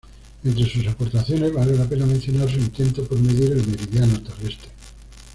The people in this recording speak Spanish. Entre sus aportaciones vale la pena mencionar su intento por medir el meridiano terrestre.